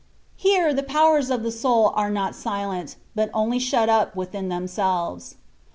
Here the powers of the soul are not silent, but only shut up within themselves.